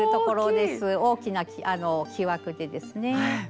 大きな木枠でですね。